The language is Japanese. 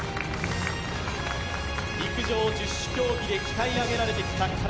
陸上十種競技で鍛え上げられてきた体。